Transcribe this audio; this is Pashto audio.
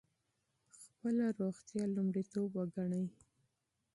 خپله روغتیا لومړیتوب وګڼئ.